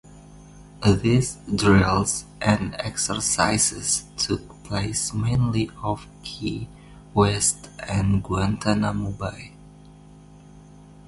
These drills and exercises took place mainly off Key West and Guantanamo Bay.